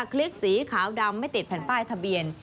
คลิกสีขาวดำไม่ติดแผ่นป้ายทะเบียน